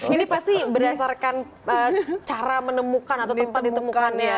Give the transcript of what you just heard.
ini pasti berdasarkan cara menemukan atau tempat ditemukan ya